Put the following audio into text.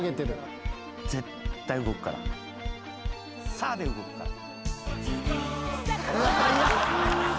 「さ」で動くから。